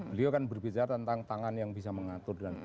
beliau kan berbicara tentang tangan yang bisa mengatur